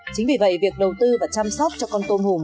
chính vì vậy việc đầu tư và chăm sóc cho con tôm hùm